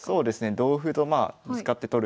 同歩とまあぶつかって取る。